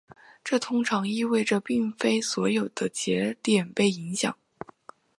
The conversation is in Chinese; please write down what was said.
这通常意味着并非所有的节点被影响。